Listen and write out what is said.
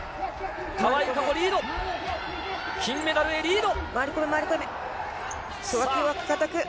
川井友香子リード、金メダルへリード。